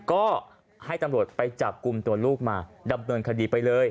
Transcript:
ก็ให้ตำรวจไปจับกลุ่มตัวลูกมาดำเนินคดีไปเลย